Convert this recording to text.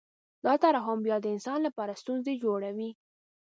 دا ترحم بیا د انسان لپاره ستونزې جوړوي